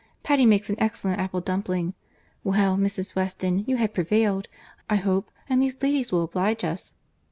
Patty makes an excellent apple dumpling. Well, Mrs. Weston, you have prevailed, I hope, and these ladies will oblige us."